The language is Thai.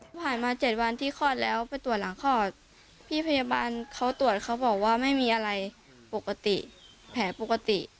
ผ่านมา๗วันที่คลอดแล้วไปตรวจหลังคลอดพี่พยาบาลเขาตรวจเขาบอกว่าไม่มีอะไรปกติแผลปกติ